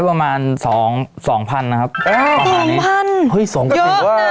ประมาณสองสองพันนะครับเอ้าสองพันเฮ้ยสองก็คือว่าเยอะน่ะ